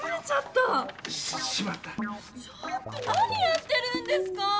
ちょっと何やってるんですか！